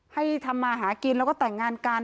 ให้ทำมาหากินแล้วก็แต่งงานกัน